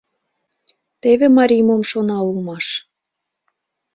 Теве марий мом шона улмаш.